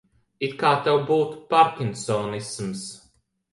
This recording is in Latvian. It kā tev būtu pārkinsonisms.